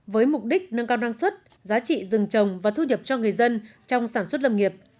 với mục đích nâng cao năng suất giá trị rừng trồng và thu nhập cho người dân trong sản xuất lâm nghiệp